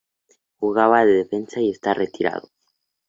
Jugaba de defensa y esta retirado.